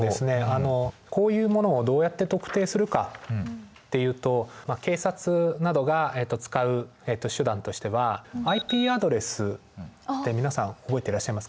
あのこういうものをどうやって特定するかっていうと警察などが使う手段としてはＩＰアドレスって皆さん覚えてらっしゃいますか。